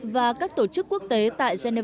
và các tổ chức quốc tế tại geneva